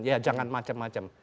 ya jangan macam macam